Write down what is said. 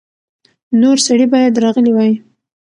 نور سړي باید راغلي وای.